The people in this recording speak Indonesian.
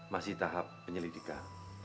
masih tahap penyelidikan